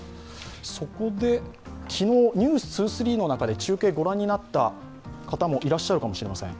そこで昨日、「ｎｅｗｓ２３」の中で中継を御覧になった方もいらっしゃるかもしれません。